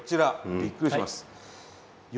びっくりします。